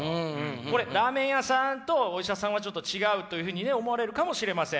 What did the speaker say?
これラーメン屋さんとお医者さんはちょっと違うというふうにね思われるかもしれません。